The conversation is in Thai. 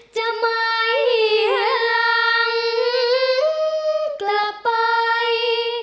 จะไม่ให้หรังกลับไป